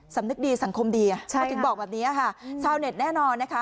สำนึกดีสังคมดีเขาถึงบอกแบบนี้ค่ะชาวเน็ตแน่นอนนะคะ